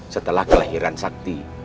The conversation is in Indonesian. setelah kelahiran sakti